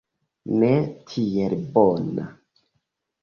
Ne tiel bona.